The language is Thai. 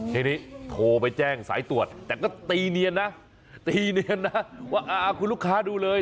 ทีนี้โทรไปแจ้งสายตรวจแต่ก็ตีเนียนนะตีเนียนนะว่าคุณลูกค้าดูเลย